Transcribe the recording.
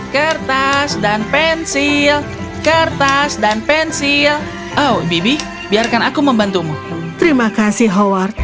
kertas dan pensil kertas dan pensil oh bibi biarkan aku membantumu terima kasih howard